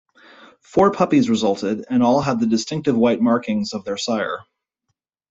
Four puppies resulted, and all had the distinctive white markings of their sire.